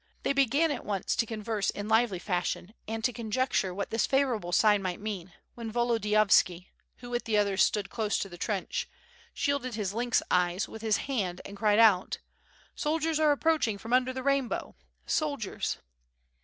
They began at once to converse in lively fashion and to conjecture what this favorable sign might mean, when Volodiyovski, who with others stood close to the trench, shielded his lynx eyes with his hand and cried out: "Soldiers are approaching from under the rainbow! sol diers!''